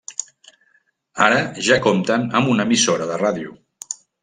Ara ja compten amb una emissora de ràdio.